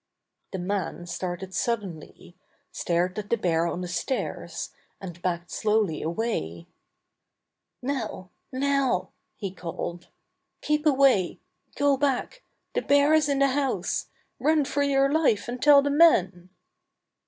The man started suddenly, stared at the bear on the stairs, and backed slowly away. ^^Nell! Nell!" he called. ''Keep away! Go back! The bear is in the house! Run for your life and tell the men!"